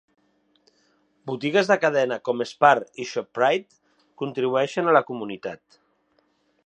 Botigues de cadena com Spar i Shoprite contribueixen a la comunitat.